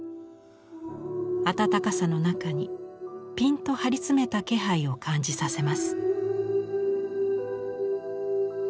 温かさの中にピンと張り詰めた気配を感じさせます。